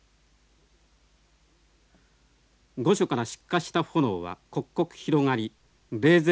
御所から出火した炎は刻々広がり冷泉